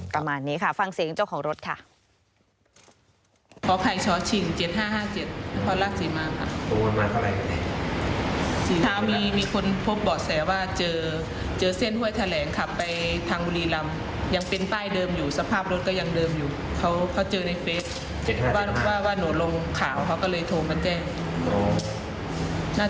ประมาณนี้ค่ะฟังเสียงเจ้าของรถค่ะ